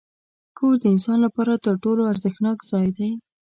کور د انسان لپاره تر ټولو ارزښتناک ځای دی.